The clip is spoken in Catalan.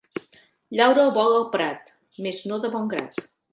Llaura el bou el prat, mes no de bon grat.